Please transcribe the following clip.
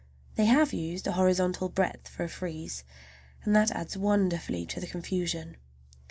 They have used a horizontal breadth for a frieze, and that adds wonderfully to the confusion.